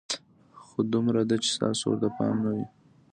خو دومره ده چې ستاسو ورته پام نه وي.